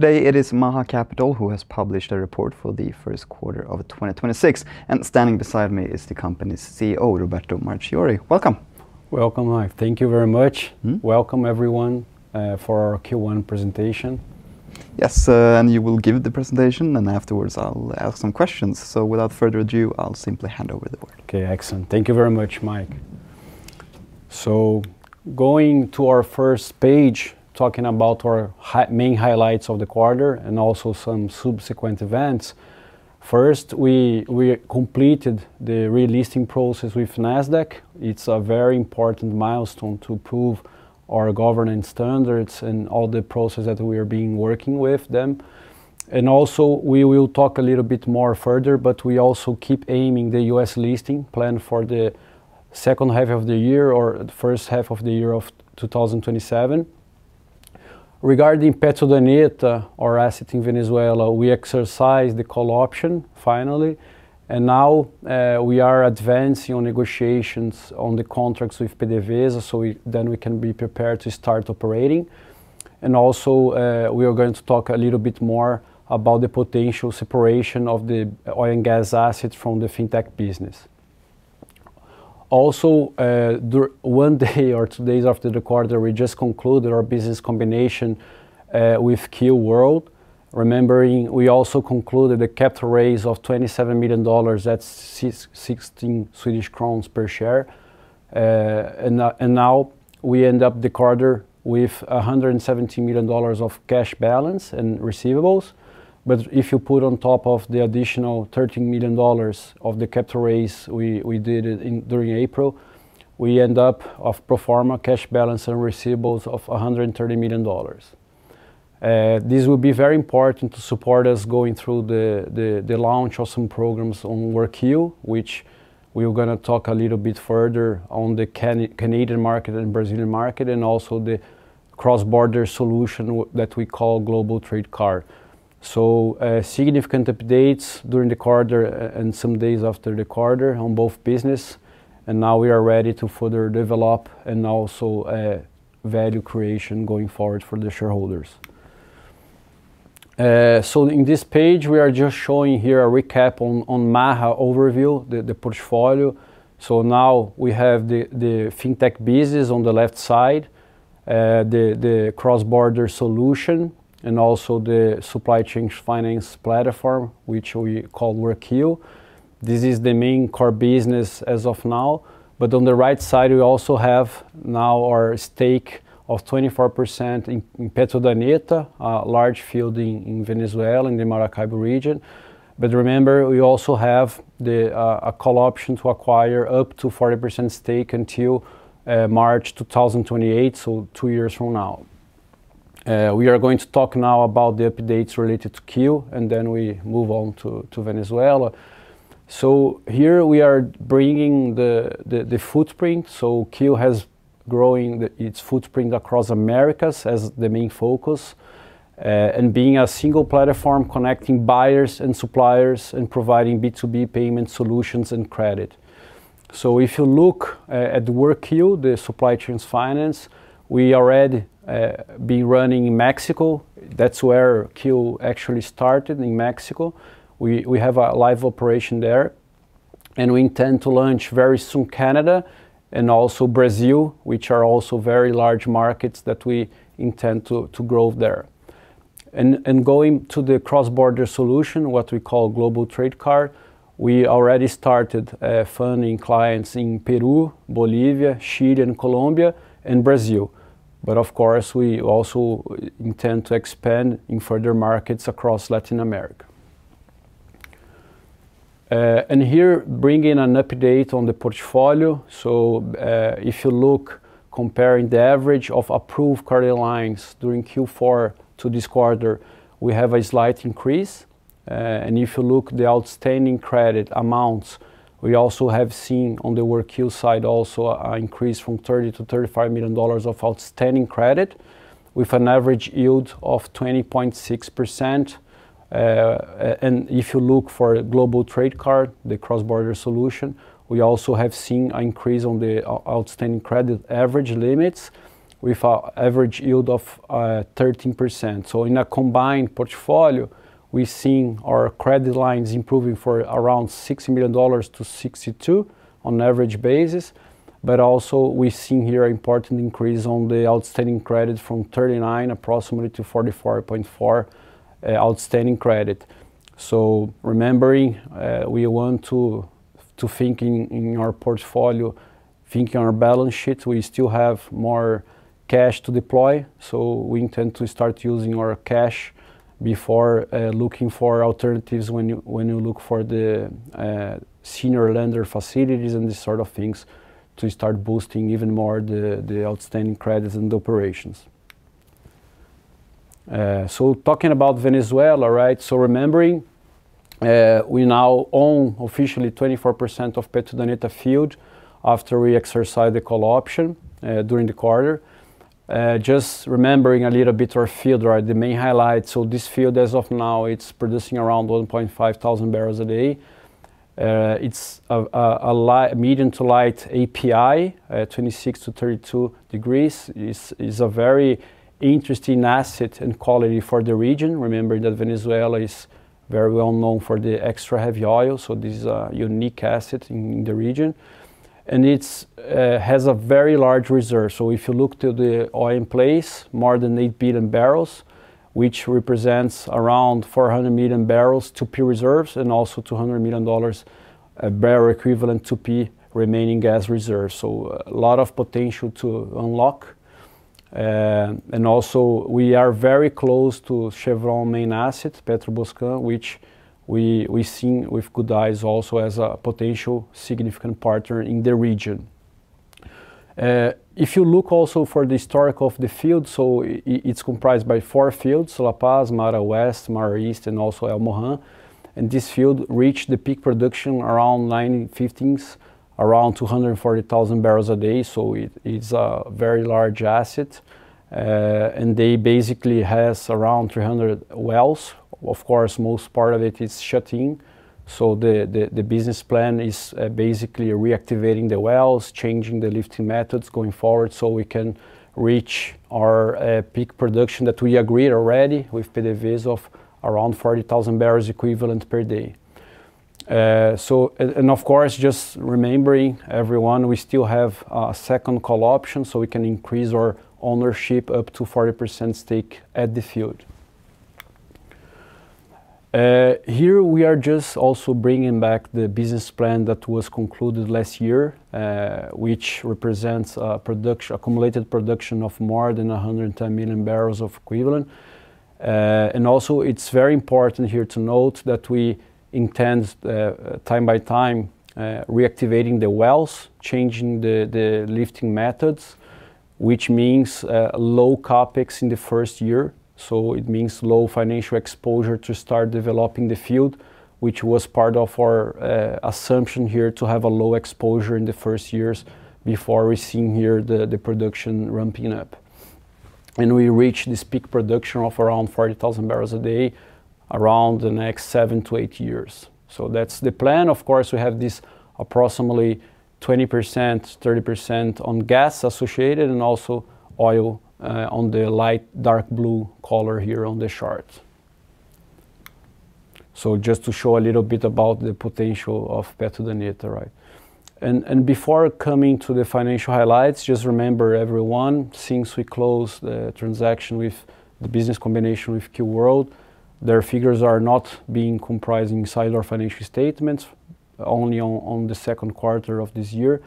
Today it is Maha Capital who has published a report for the first quarter of 2026. Standing beside me is the company's CEO, Roberto Marchiori. Welcome. Welcome, Mike. Thank you very much. Welcome everyone for our Q1 presentation. Yes, you will give the presentation, then afterwards I'll ask some questions. Without further ado, I'll simply hand over the word. Okay, excellent. Thank you very much, Mike. Going to our first page, talking about our main highlights of the quarter and also some subsequent events. First, we completed the relisting process with Nasdaq. It's a very important milestone to prove our governance standards and all the process that we have been working with them. Also, we will talk a little bit more further, but we also keep aiming the U.S. listing plan for the second half of the year or first half of 2027. Regarding PetroUrdaneta, our asset in Venezuela, we exercised the call option finally, and now we are advancing on negotiations on the contracts with PDVSA so then we can be prepared to start operating. Also, we are going to talk a little bit more about the potential separation of the oil and gas assets from the fintech business. One day or two days after the quarter, we just concluded our business combination with KEO World. Remembering, we also concluded a capital raise of $27 million at SEK 16 per share. Now we end up the quarter with $117 million of cash balance and receivables. If you put on top of the additional $13 million of the capital raise we did during April, we end up of pro forma cash balance and receivables of $130 million. This will be very important to support us going through the launch of some programs on Workeo, which we are going to talk a little bit further on the Canadian market and Brazilian market, and also the cross-border solution that we call Global Trade Card. Significant updates during the quarter and some days after the quarter on both business, now we are ready to further develop and also value creation going forward for the shareholders. In this page, we are just showing here a recap on Maha overview, the portfolio. Now we have the fintech business on the left side, the cross-border solution, and also the supply chain finance platform, which we call Workeo. This is the main core business as of now. On the right side, we also have now our stake of 24% in PetroUrdaneta, a large field in Venezuela, in the Maracaibo region. Remember, we also have a call option to acquire up to 40% stake until March 2028, so two years from now. We are going to talk now about the updates related to Workeo, and then we move on to Venezuela. Here we are bringing the footprint. KEO World has growing its footprint across Americas as the main focus, and being a single platform connecting buyers and suppliers and providing B2B payment solutions and credit. If you look at Workeo, the supply chains finance, we already be running in Mexico. That's where KEO World actually started, in Mexico. We have a live operation there, and we intend to launch very soon Canada and also Brazil, which are also very large markets that we intend to grow there. Going to the cross-border solution, what we call Global Trade Card, we already started funding clients in Peru, Bolivia, Chile, and Colombia, and Brazil. Of course, we also intend to expand in further markets across Latin America. Here, bringing an update on the portfolio. If you look, comparing the average of approved credit lines during Q4 to this quarter, we have a slight increase. If you look the outstanding credit amounts, we also have seen on the Workeo side also an increase from $30 million-$35 million of outstanding credit with an average yield of 20.6%. If you look for Global Trade Card, the cross-border solution, we also have seen an increase on the outstanding credit average limits with an average yield of 13%. In a combined portfolio, we're seeing our credit lines improving for around $60 million-$62 million on average basis. Also we see here important increase on the outstanding credit from 39 approximately to 44.4 outstanding credit. Remembering, we want to think in our portfolio, think in our balance sheet, we still have more cash to deploy, we intend to start using our cash before looking for alternatives when you look for the senior lender facilities and these sort of things to start boosting even more the outstanding credits and operations. Talking about Venezuela, right, remembering, we now own officially 24% of PetroUrdaneta field after we exercise the call option during the quarter. Just remembering a little bit our field, right, the main highlights, this field as of now it's producing around 1,500 barrels a day. It's a medium to light API, 26-32 degrees. It's a very interesting asset and quality for the region. Remember that Venezuela is very well known for the extra heavy oil, this is a unique asset in the region. It has a very large reserve. If you look to the oil in place, more than 8 billion barrels, which represents around 400 million barrels 2P reserves and also 200 million barrel equivalent 2P remaining gas reserves. A lot of potential to unlock. Also, we are very close to Chevron main asset, Petroboscán, which we see with good eyes also as a potential significant partner in the region. If you look also for the historical field, it's comprised of four fields, La Paz, Mara West, Mara East, and also El Moján. This field reached the peak production around 1915, around 240,000 barrels a day, so it's a very large asset. They basically have around 300 wells. Of course, most part of it is shutting. The business plan is basically reactivating the wells, changing the lifting methods going forward so we can reach our peak production that we agreed already with PDVSA of around 40,000 barrels equivalent per day. Of course, just remembering, everyone, we still have a second call option, so we can increase our ownership up to 40% stake at the field. Here we are just also bringing back the business plan that was concluded last year, which represents accumulated production of more than 110 million barrels of equivalent. Also, it's very important here to note that we intend, time by time, reactivating the wells, changing the lifting methods, which means low CapEx in the first year. it means low financial exposure to start developing the field, which was part of our assumption here to have a low exposure in the first years before we see here the production ramping up. We reach this peak production of around 40,000 barrels a day around the next seven to eight years. That's the plan. Of course, we have this approximately 20%-30% on gas associated, and also oil on the dark blue color here on the chart. Just to show a little bit about the potential of PetroUrdaneta. Before coming to the financial highlights, just remember, everyone, since we closed the transaction with the business combination with KEO World, their figures are not being comprised inside our financial statements, only on the second quarter of this year.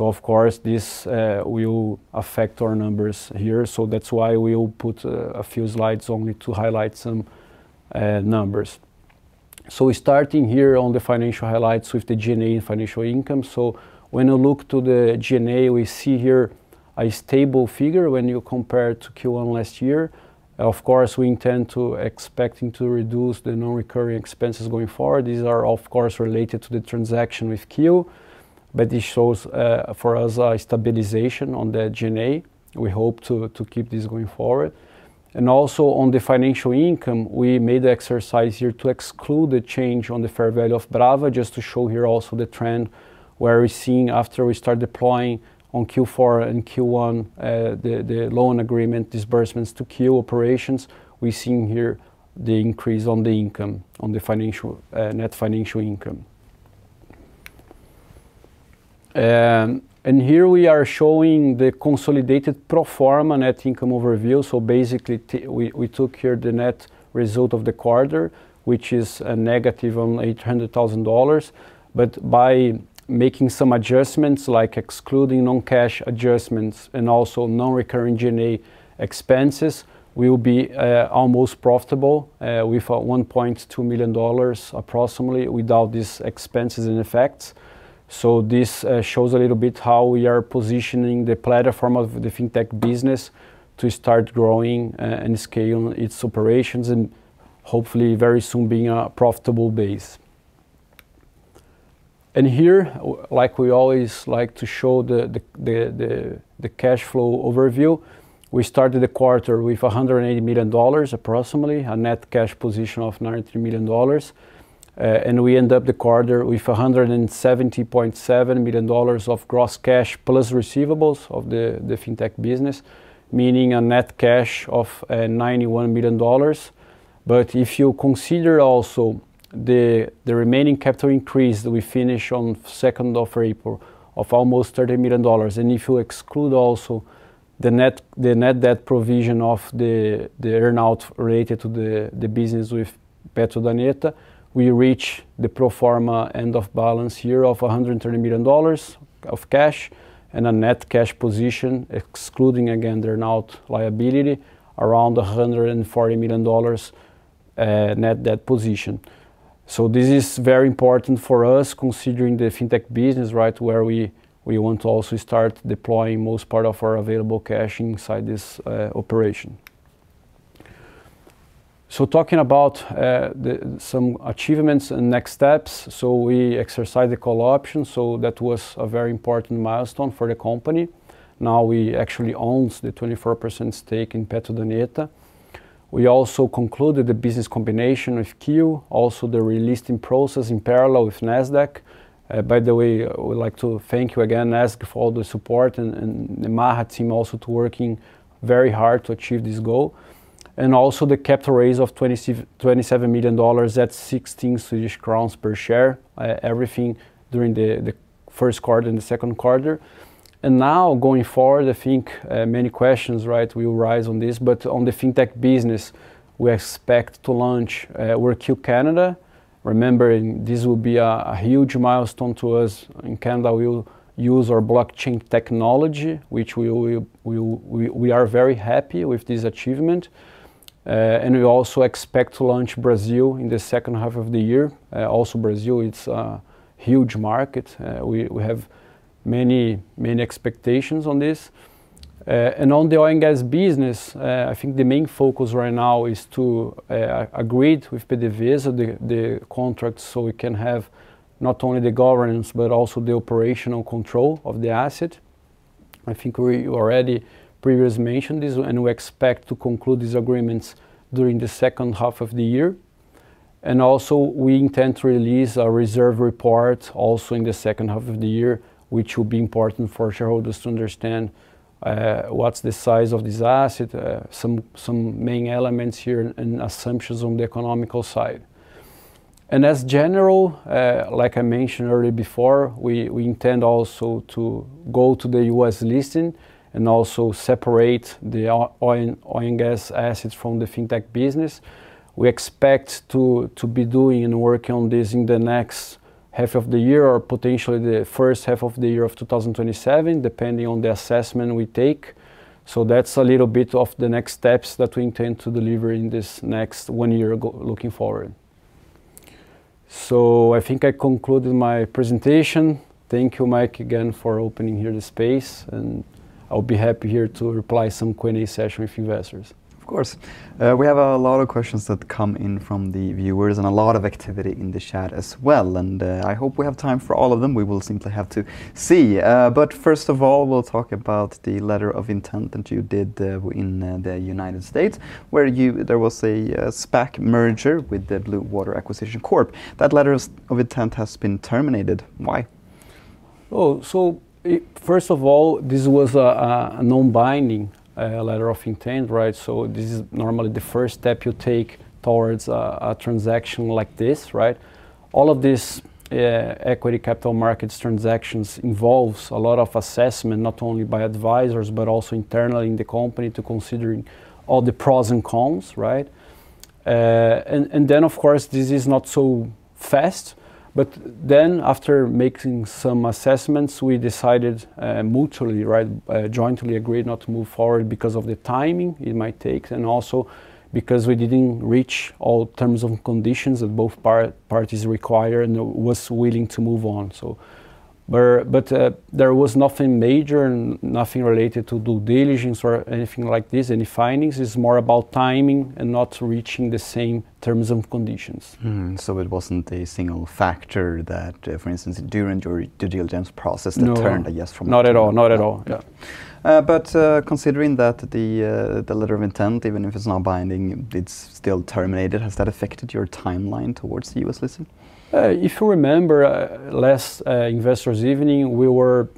Of course, this will affect our numbers here. That's why we will put a few slides only to highlight some numbers. Starting here on the financial highlights with the G&A financial income. When you look to the G&A, we see here a stable figure when you compare it to Q1 last year. Of course, we intend to expecting to reduce the non-recurring expenses going forward. These are, of course, related to the transaction with KEO. It shows for us a stabilization on the G&A. We hope to keep this going forward. Also, on the financial income, we made the exercise here to exclude the change on the fair value of Brava just to show here also the trend where we're seeing after we start deploying on Q4 and Q1, the loan agreement disbursements to KEO operations. We're seeing here the increase on the net financial income. Here we are showing the consolidated pro forma net income overview. Basically, we took here the net result of the quarter, which is a negative on $800,000. By making some adjustments like excluding non-cash adjustments and also non-recurring G&A expenses, we will be almost profitable with $1.2 million approximately without these expenses and effects. This shows a little bit how we are positioning the platform of the fintech business to start growing and scale its operations and hopefully very soon being a profitable base. Here, like we always like to show the cash flow overview. We started the quarter with $180 million, approximately, a net cash position of $93 million. We end up the quarter with $170.7 million of gross cash plus receivables of the fintech business, meaning a net cash of $91 million. If you consider also the remaining capital increase that we finished on the 2nd of April of almost $30 million, and if you exclude also the net debt provision of the earn-out related to the business with PetroUrdaneta, we reach the pro forma end of balance year of $130 million of cash and a net cash position, excluding, again, the earn-out liability, around $140 million net debt position. This is very important for us considering the fintech business, where we want to also start deploying most part of our available cash inside this operation. Talking about some achievements and next steps. We exercised the call option, so that was a very important milestone for the company. Now we actually own the 24% stake in PetroUrdaneta. We also concluded the business combination with KEO World, also the relisting process in parallel with Nasdaq. I would like to thank you again, ask for all the support and the Maha team also to working very hard to achieve this goal. Also the capital raise of $27 million at 16 Swedish crowns per share, everything during the first quarter and the second quarter. Now going forward, I think many questions, right, will rise on this, but on the fintech business, we expect to launch Workeo Canada. Remembering this will be a huge milestone to us. In Canada, we'll use our blockchain technology, which we are very happy with this achievement. We also expect to launch Brazil in the second half of the year. Brazil, it's a huge market. We have many expectations on this. On the oil and gas business, I think the main focus right now is to agree with PDVSA the contract, so we can have not only the governance but also the operational control of the asset. I think we already previous mentioned this. We expect to conclude these agreements during the second half of the year. Also we intend to release our reserve report also in the second half of the year, which will be important for shareholders to understand what's the size of this asset, some main elements here and assumptions on the economical side. As general, like I mentioned already before, we intend also to go to the U.S. listing and also separate the oil and gas assets from the fintech business. We expect to be doing and working on this in the next half of the year or potentially the first half of the year of 2027, depending on the assessment we take. That's a little bit of the next steps that we intend to deliver in this next one year looking forward. I think I concluded my presentation. Thank you, Mike, again for opening here the space, and I'll be happy here to reply some Q&A session with investors. Of course. We have a lot of questions that come in from the viewers and a lot of activity in the chat as well, and I hope we have time for all of them. We will seem to have to see. First of all, we'll talk about the letter of intent that you did in the United States, where there was a SPAC merger with the Blue Water Acquisition Corp. That letter of intent has been terminated. Why? Oh, first of all, this was a non-binding letter of intent, right? This is normally the first step you take towards a transaction like this, right? All of these equity capital markets transactions involves a lot of assessment, not only by advisors but also internally in the company to considering all the pros and cons, right? Of course, this is not so fast, after making some assessments, we decided mutually, jointly agreed not to move forward because of the timing it might take, and also because we didn't reach all terms and conditions that both parties required and was willing to move on. There was nothing major and nothing related to due diligence or anything like this, any findings. It's more about timing and not reaching the same terms and conditions. It wasn't a single factor that, for instance, during the due diligence process that turned- No out from that. Not at all. Not at all. Yeah. Considering that the letter of intent, even if it is not binding, it is still terminated, has that affected your timeline towards the U.S. listing? If you remember last investors evening, we were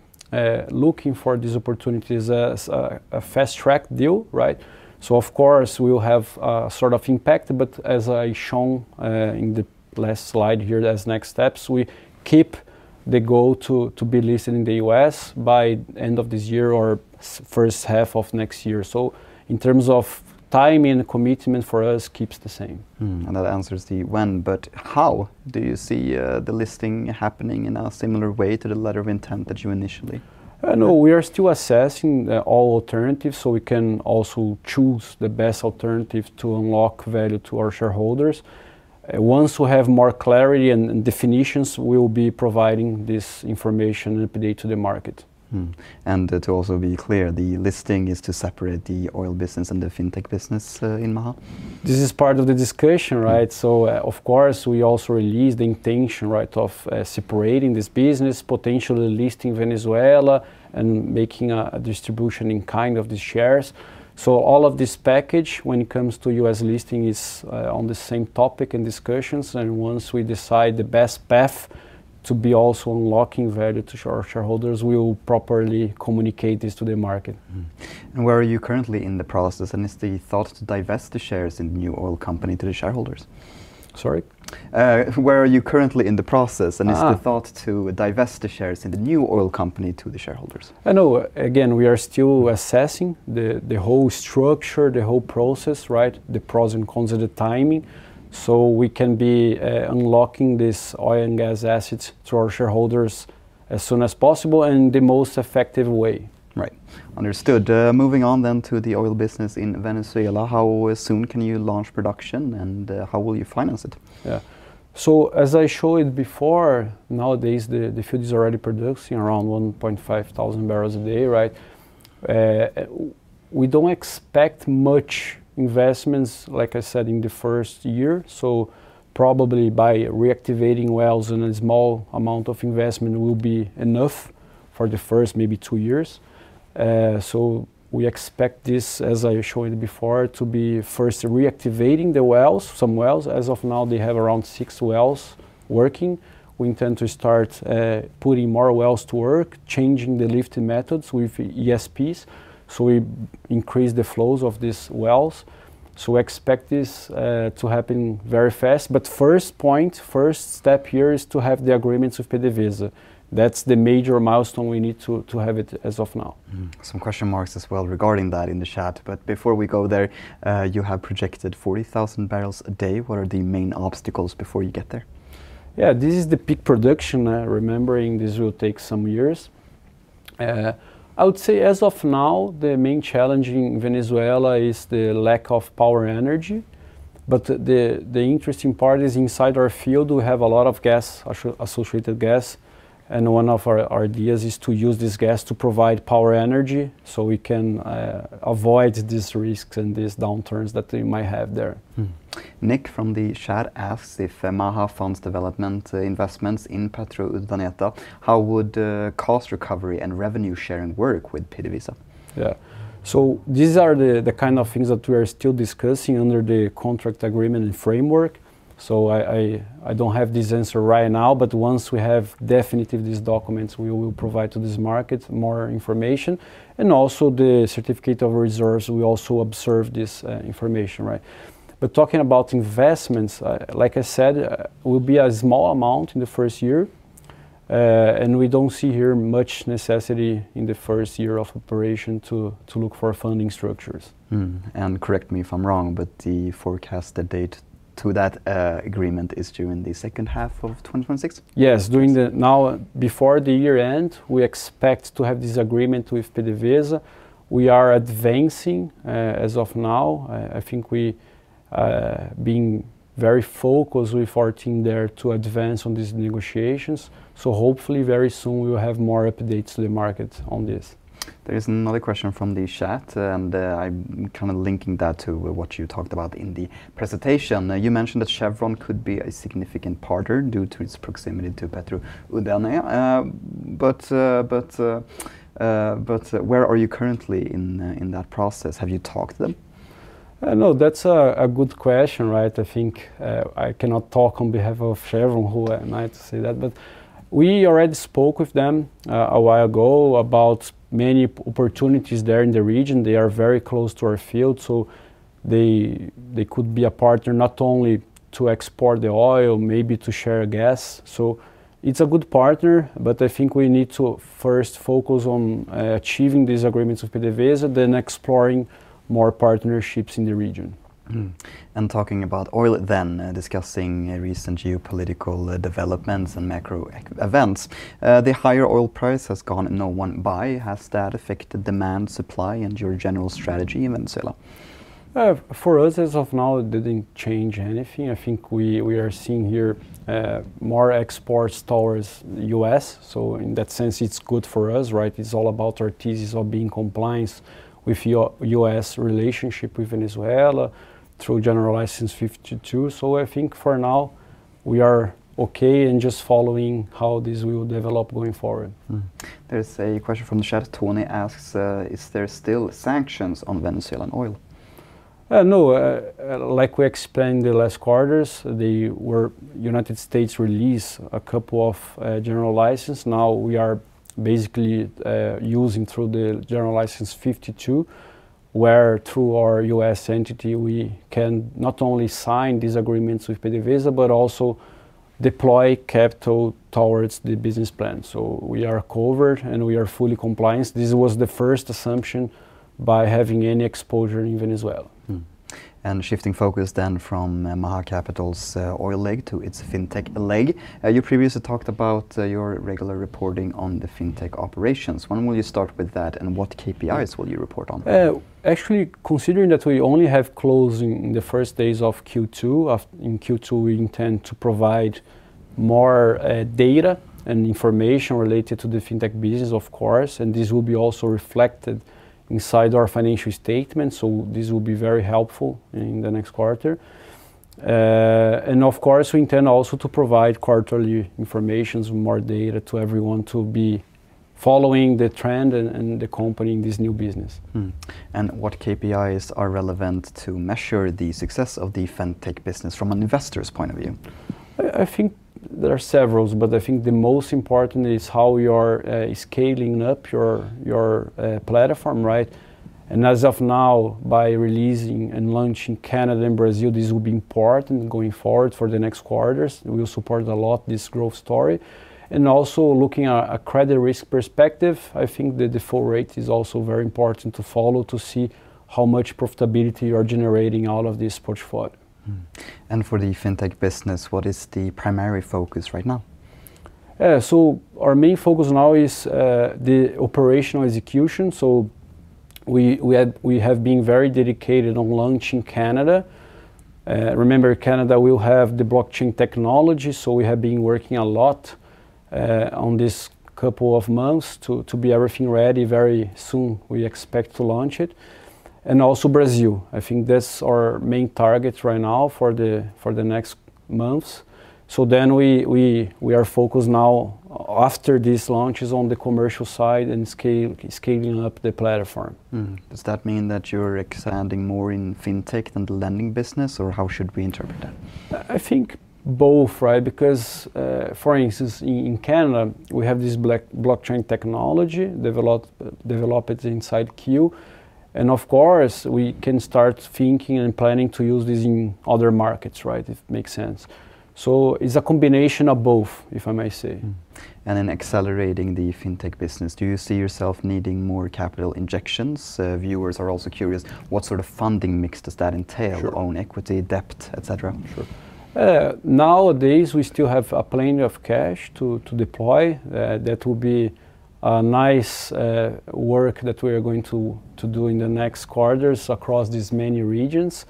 looking for these opportunities as a fast-track deal, right? Of course, we will have sort of impact, but as I shown in the last slide here as next steps, we keep the goal to be listed in the U.S. by end of this year or first half of next year. In terms of timing and commitment for us keeps the same. That answers the when, how do you see the listing happening in a similar way to the letter of intent that you initially had? No, we are still assessing all alternatives, so we can also choose the best alternative to unlock value to our shareholders. Once we have more clarity and definitions, we'll be providing this information openly to the market. To also be clear, the listing is to separate the oil business and the fintech business in Maha? This is part of the discussion, right? Of course, we also released the intention of separating this business, potentially listing Venezuela and making a distribution in kind of the shares. All of this package when it comes to U.S. listing is on the same topic and discussions, and once we decide the best path to be also unlocking value to our shareholders, we will properly communicate this to the market. Where are you currently in the process, and is the thought to divest the shares in the new oil company to the shareholders? Sorry? Where are you currently in the process, and is the thought to divest the shares in the new oil company to the shareholders? No. Again, we are still assessing the whole structure, the whole process, right, the pros and cons of the timing. We can be unlocking these oil and gas assets to our shareholders as soon as possible and in the most effective way. Right. Understood. Moving on to the oil business in Venezuela, how soon can you launch production, and how will you finance it? Yeah. As I showed before, nowadays, the field is already producing around 1.5 thousand barrels a day, right? We don't expect much investments, like I said, in the first year. Probably by reactivating wells and a small amount of investment will be enough for the first maybe two years. We expect this, as I showed before, to be first reactivating some wells. As of now, they have around six wells working. We intend to start putting more wells to work, changing the lifting methods with ESPs. We increase the flows of these wells. Expect this to happen very fast. First point, first step here is to have the agreement with PDVSA. That's the major milestone we need to have it as of now. Some question marks as well regarding that in the chat. Before we go there, you have projected 40,000 barrels a day. What are the main obstacles before you get there? Yeah. This is the peak production. Remembering this will take some years. I would say as of now, the main challenge in Venezuela is the lack of power energy. The interesting part is inside our field, we have a lot of associated gas, and one of our ideas is to use this gas to provide power energy so we can avoid these risks and these downturns that they might have there. Nick from the chat asks, "If Maha funds development investments in PetroUrdaneta, how would the cost recovery and revenue sharing work with PDVSA? Yeah. These are the kind of things that we are still discussing under the contract agreement framework. I don't have this answer right now, but once we have definitive these documents, we will provide to this market more information. Also, the certificate of reserves, we also observe this information. Talking about investments, like I said, will be a small amount in the first year, and we don't see here much necessity in the first year of operation to look for funding structures. Correct me if I'm wrong, but the forecast date to that agreement is due in the second half of 2026? Yes. Now, before the year ends, we expect to have this agreement with PDVSA. We are advancing as of now. I think we are being very focused with our team there to advance on these negotiations. Hopefully very soon we'll have more updates to the market on this. There's another question from the chat, and I'm kind of linking that to what you talked about in the presentation. You mentioned that Chevron could be a significant partner due to its proximity to PetroUrdaneta. Where are you currently in that process? Have you talked to them? That's a good question. I think I cannot talk on behalf of Chevron, who I might say that. We already spoke with them a while ago about many opportunities there in the region. They are very close to our field, so they could be a partner not only to export the oil, maybe to share gas. It's a good partner, but I think we need to first focus on achieving these agreements with PDVSA, then exploring more partnerships in the region. Talking about oil then, and discussing recent geopolitical developments and macro events. The higher oil price has gone, and no one buy. Has that affected demand, supply, and your general strategy in Venezuela? For us, as of now, it didn't change anything. I think we are seeing here more exports towards U.S. In that sense, it's good for us. It's all about our thesis of being compliance with U.S. relationship with Venezuela through General License 52. I think for now we are okay and just following how this will develop going forward. There's a question from the chat. Tony asks, "Is there still sanctions on Venezuelan oil? No. Like we explained the last quarters, the U.S. released a couple of General Licenses. Now we are basically using through the General License 52, where through our U.S. entity, we can not only sign these agreements with PDVSA but also deploy capital towards the business plan. We are covered, and we are fully compliant. This was the first assumption by having any exposure in Venezuela. Shifting focus then from Maha Capital's oil leg to its fintech leg. You previously talked about your regular reporting on the fintech operations. When will you start with that, and what KPIs will you report on that? Actually, considering that we only have closed in the first days of Q2, in Q2, we intend to provide more data and information related to the fintech business, of course, and this will be also reflected inside our financial statement. This will be very helpful in the next quarter. Of course, we intend also to provide quarterly informations, more data to everyone to be following the trend and the company in this new business. What KPIs are relevant to measure the success of the fintech business from an investor's point of view? I think there are several. I think the most important is how you are scaling up your platform. As of now, by releasing and launching Canada and Brazil, this will be important going forward for the next quarters. It will support a lot this growth story. Also looking at a credit risk perspective, I think the default rate is also very important to follow to see how much profitability you're generating out of this portfolio. For the fintech business, what is the primary focus right now? Our main focus now is the operational execution. We have been very dedicated on launching Canada. Remember, Canada will have the blockchain technology, so we have been working a lot on this couple of months to be everything ready very soon. We expect to launch it. Also Brazil. I think that's our main target right now for the next months. We are focused now after these launches on the commercial side and scaling up the platform. Does that mean that you're expanding more in fintech and the lending business, or how should we interpret that? I think both, right. Because for instance, in Canada, we have this blockchain technology developed inside KEO. Of course, we can start thinking and planning to use this in other markets, right. It makes sense. It's a combination of both, if I may say. In accelerating the fintech business, do you see yourself needing more capital injections? Viewers are also curious what sort of funding mix does that entail. Sure on equity, debt, et cetera. Sure. Nowadays, we still have plenty of cash to deploy. That will be a nice work that we are going to do in the next quarters across these many regions.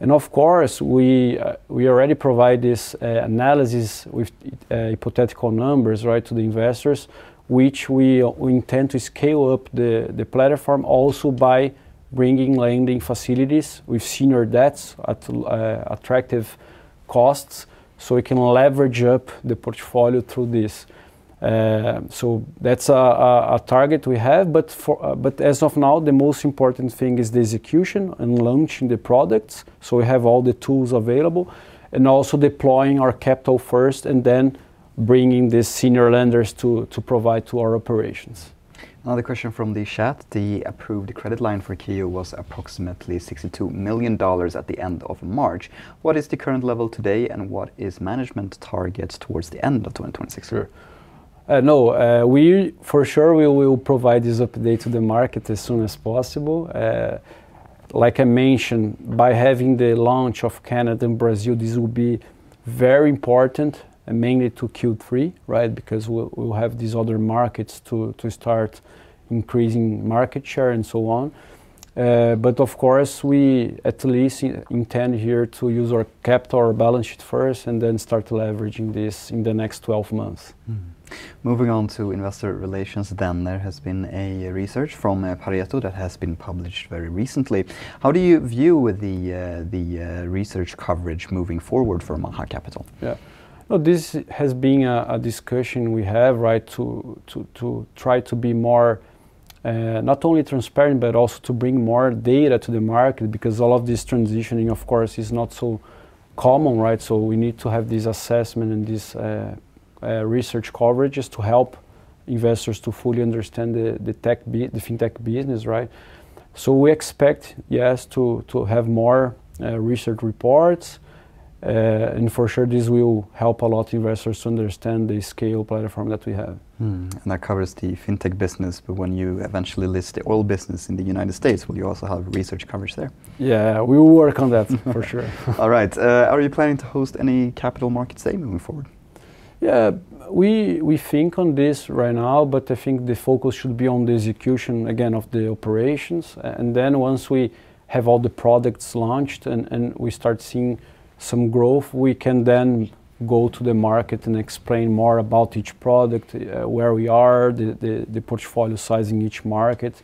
Of course, we already provide this analysis with hypothetical numbers to the investors, which we intend to scale up the platform also by bringing lending facilities with senior debts at attractive costs, so we can leverage up the portfolio through this. That's a target we have, but as of now, the most important thing is the execution and launching the products, so we have all the tools available. Also deploying our capital first and then bringing the senior lenders to provide to our operations. Another question from the chat, the approved credit line for KEO World was approximately $62 million at the end of March. What is the current level today, and what is management targets towards the end of 2026? I know. For sure, we will provide this update to the market as soon as possible. Like I mentioned, by having the launch of Canada and Brazil, this will be very important, mainly to Q3, right? Because we'll have these other markets to start increasing market share and so on. Of course, we at least intend here to use our capital or balance sheet first and then start leveraging this in the next 12 months. Moving on to investor relations then. There has been research from Pareto that has been published very recently. How do you view the research coverage moving forward for Maha Capital? Yeah. Well, this has been a discussion we have, right? To try to be more, not only transparent, but also to bring more data to the market because all of this transitioning, of course, is not so common, right? We need to have these assessments and these research coverages to help investors to fully understand the fintech business, right? We expect, yes, to have more research reports. For sure, this will help a lot investors to understand the scale platform that we have. That covers the fintech business. When you eventually list the oil business in the U.S., will you also have research coverage there? Yeah, we will work on that for sure. All right. Are you planning to host any capital market day moving forward? Yeah. We think on this right now, but I think the focus should be on the execution again of the operations, and then once we have all the products launched and we start seeing some growth, we can then go to the market and explain more about each product, where we are, the portfolio size in each market,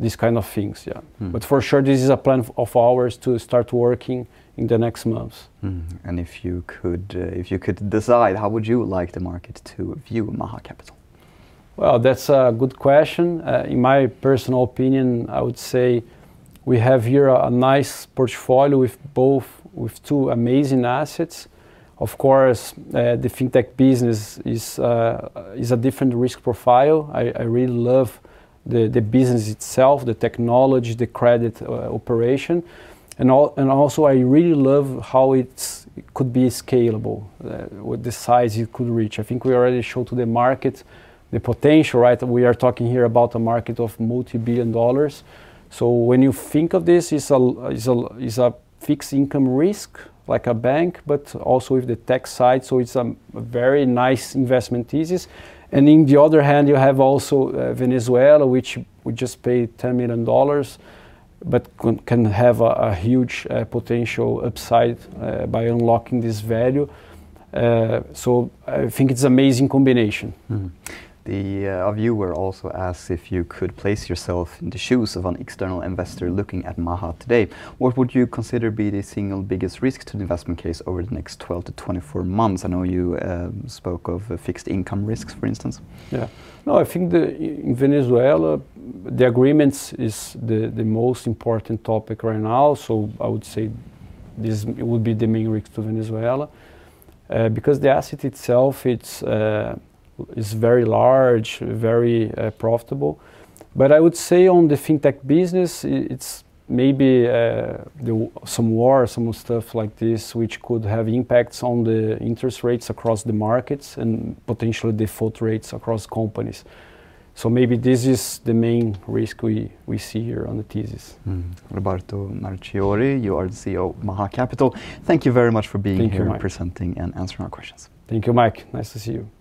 these kind of things, yeah. For sure, this is a plan of ours to start working in the next months. If you could decide, how would you like the market to view Maha Capital? Well, that's a good question. In my personal opinion, I would say we have here a nice portfolio with two amazing assets. Of course, the fintech business is a different risk profile. I really love the business itself, the technology, the credit operation, and also I really love how it could be scalable with the size it could reach. I think we already showed to the market the potential, right? We are talking here about a market of multi-billion dollars. When you think of this, it's a fixed income risk, like a bank, but also with the tech side. It's a very nice investment thesis. On the other hand, you have also Venezuela, which we just paid $10 million, but can have a huge potential upside by unlocking this value. I think it's an amazing combination. The viewer also asked if you could place yourself in the shoes of an external investor looking at Maha today. What would you consider to be the single biggest risk to the investment case over the next 12-24 months? I know you spoke of fixed income risks, for instance. Yeah. I think that in Venezuela, the agreements is the most important topic right now. I would say this would be the main risk to Venezuela. The asset itself is very large, very profitable. I would say on the fintech business, it's maybe some laws, some stuff like this, which could have impacts on the interest rates across the markets and potentially default rates across companies. Maybe this is the main risk we see here on the thesis. Roberto Marchiori, you are the CEO of Maha Capital. Thank you very much for being here. Thank you, Mike presenting and answering our questions. Thank you, Mike. Nice to see you